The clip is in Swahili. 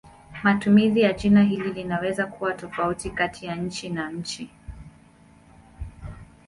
Matumizi ya jina hili linaweza kuwa tofauti kati ya nchi na nchi.